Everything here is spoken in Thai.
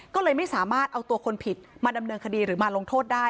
ก็เลยไม่สามารถเอาตัวคนผิดมาดำเนินคดีหรือมาลงโทษได้